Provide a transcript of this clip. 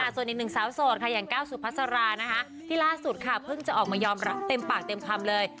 ส่วนอีกหนึ่งสาวโสดค่ะอย่างก้าวสุพัสรานะคะที่ล่าสุดค่ะเพิ่งจะออกมายอมรับเต็มปากเต็มคำเลย